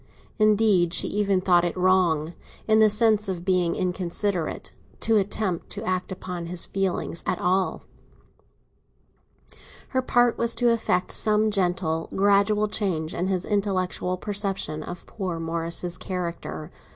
Indeed, she even thought it wrong—in the sense of being inconsiderate—to attempt to act upon his feelings at all; her part was to effect some gentle, gradual change in his intellectual perception of poor Morris's character.